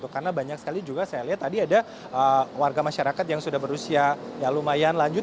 karena banyak sekali juga saya lihat tadi ada warga masyarakat yang sudah berusia lumayan lanjut